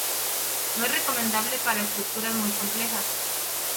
No es recomendable para estructuras muy complejas.